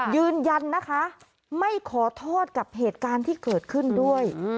ยืนยันนะคะไม่ขอโทษกับเหตุการณ์ที่เกิดขึ้นด้วย